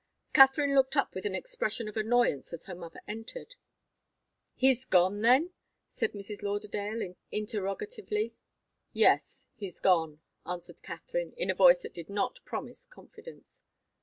Katharine looked up with an expression of annoyance as her mother entered. "He's gone, then?" said Mrs. Lauderdale, interrogatively. "Yes. He's just gone," answered Katharine, in a voice that did not promise confidence.